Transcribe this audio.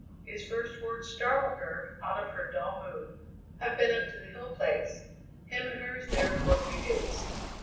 His first words startled her out of her dull mood. "I've been up to the Hill Place. Him and her's there for a few days."